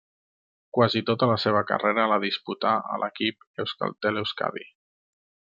Quasi tota la seva carrera la disputà a l'equip Euskaltel-Euskadi.